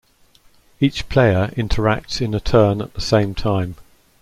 Each player interacts in a turn at the same time.